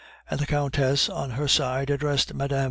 And the Countess, on her side, addressed Mme.